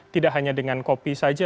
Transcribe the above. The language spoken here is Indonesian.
tidak hanya dengan kopi saja